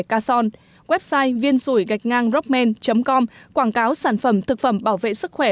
cason website viên rủi gạch ngang rockman com quảng cáo sản phẩm thực phẩm bảo vệ sức khỏe